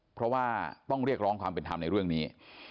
เพราะว่าต้องเรียกร้องความเป็นธรรมในเรื่องนี้